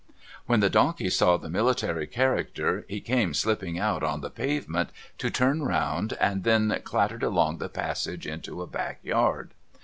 When the donkey saw the military character he came slipping out on the pavement to turn round and then clattered along the passage into a back yard.